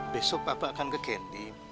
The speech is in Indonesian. besok papa akan ke candy